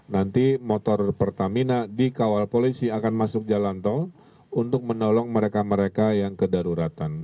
nanti motor pertamina dikawal polisi akan masuk jalan tol untuk menolong mereka mereka yang kedaruratan